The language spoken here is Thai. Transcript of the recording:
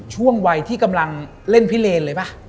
ช่วงวัยที่กำลังเล่นพิเลนเลยป่ะ